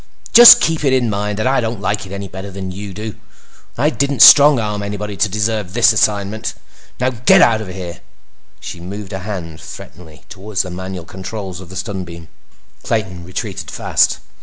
"Just keep it in mind that I don't like it any better than you do—and I didn't strong arm anybody to deserve the assignment! Now get out of here!" She moved a hand threateningly toward the manual controls of the stun beam. Clayton retreated fast.